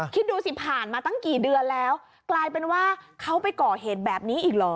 คิดดูสิผ่านมาตั้งกี่เดือนแล้วกลายเป็นว่าเขาไปก่อเหตุแบบนี้อีกเหรอ